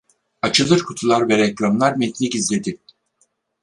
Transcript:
Açılır kutular ve reklamlar metni gizledi